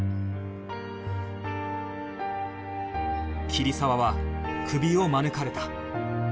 桐沢はクビを免れた